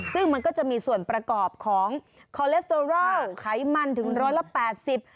ซึ่งมันก็จะมีส่วนประกอบของคอเลสเตอรอลไขมันถึงร้อยละแปดสิบ